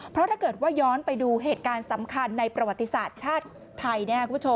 เพราะถ้าเกิดว่าย้อนไปดูเหตุการณ์สำคัญในประวัติศาสตร์ชาติไทย